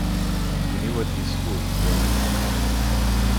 He knew what these "schools" were.